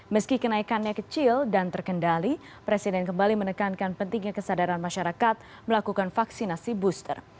meski kenaikannya kecil dan terkendali presiden kembali menekankan pentingnya kesadaran masyarakat melakukan vaksinasi booster